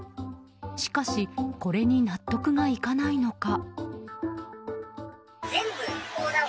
しかしこれに納得がいかないのか。